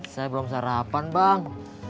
saya belum sarapan bang